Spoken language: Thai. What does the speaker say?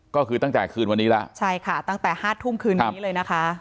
ก็คือตั้งแต่คืนวันนี้แล้วใช่ค่ะตั้งแต่ห้าทุ่มคืนนี้เลยนะคะ